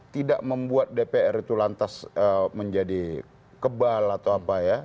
tidak membuat dpr itu lantas menjadi kebal atau apa ya